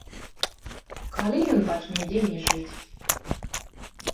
Калі ён пачне дзейнічаць?